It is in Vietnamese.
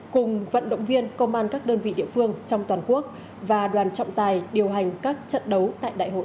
cùng vận động viên công an các đơn vị địa phương trong toàn quốc và đoàn trọng tài điều hành các trận đấu tại đại hội một mươi